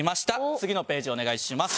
次のページお願いします。